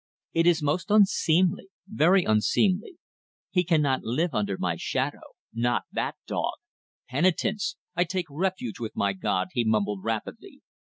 It is most unseemly ... very unseemly. He cannot live under my shadow. Not that dog. Penitence! I take refuge with my God," he mumbled rapidly.